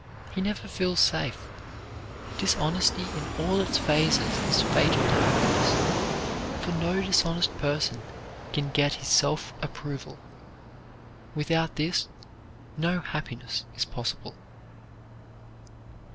He never feels safe. Dishonesty in all its phases is fatal to happiness, for no dishonest person can get his self approval. Without this no happiness is possible.